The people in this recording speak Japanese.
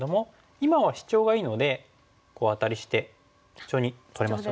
今はシチョウがいいのでアタリしてシチョウに取れますよね。